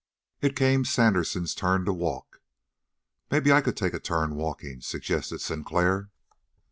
It came Sandersen's turn to walk. "Maybe I could take a turn walking," suggested Sinclair.